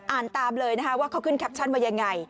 อ่านตามเลยนะคะว่าเขาขึ้นแคปชั่นมายังไง